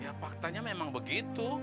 ya faktanya memang begitu